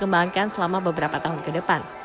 dan harus dikembangkan selama beberapa tahun ke depan